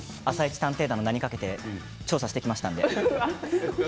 探偵団の名にかけて調査してきましたので。